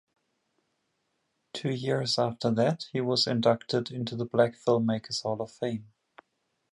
Two years after that, he was inducted into the Black Filmmakers Hall of Fame.